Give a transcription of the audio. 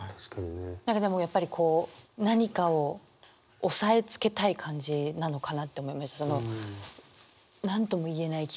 何かでもやっぱりこう何かを抑えつけたい感じなのかなって思いました。